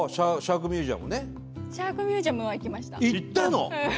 行ったの！？